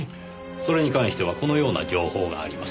それに関してはこのような情報があります。